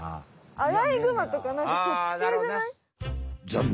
アライグマとかなんかそっちけいじゃない？